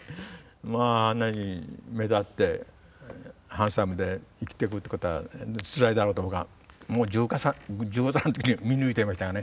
あんなに目立ってハンサムで生きていくっていうことはつらいだろうと僕はもう１５歳のときに見抜いてましたがね。